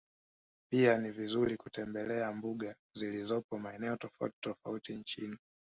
Pia ni vizuri kutembele mbuga ziolizopo maeneo tofauti nchini